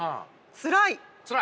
つらい。